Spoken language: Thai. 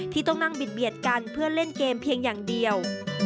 ที่ต้องนั่งบิดกันเพื่อเล่นเกมเพียงอย่างเดียว